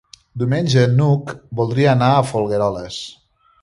Diumenge n'Hug voldria anar a Folgueroles.